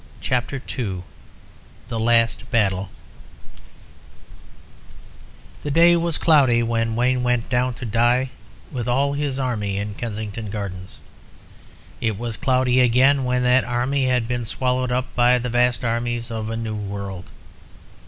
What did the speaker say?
CHAPTER II The Last Battle The day was cloudy when Wayne went down to die with all his army in Kensington Gardens; it was cloudy again when that army had been swallowed up by the vast armies of a new world.